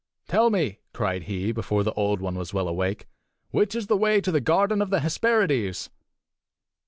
"Tell me," cried he, before the Old One was well awake, "which is the way to the garden of the Hesperides?"